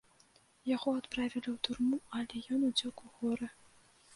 Яго адправілі ў турму, але ён уцёк у горы.